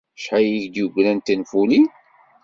Acḥal ay ak-d-yeggran d tinfulin?